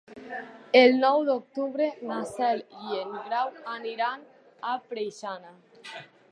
El nou d'octubre na Cel i en Grau aniran a Preixana.